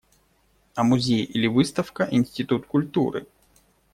А музей или выставка – институт культуры.